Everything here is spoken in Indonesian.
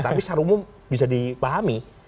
tapi secara umum bisa dipahami